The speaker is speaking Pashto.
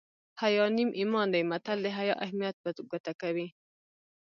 حیا نیم ایمان دی متل د حیا اهمیت په ګوته کوي